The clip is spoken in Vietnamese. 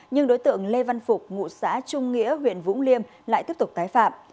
nhưng đối tượng lê văn phục ngụ xã trung nghĩa huyện vũng liêm lại tiếp tục tái phạm